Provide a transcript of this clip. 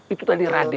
itu tadi raden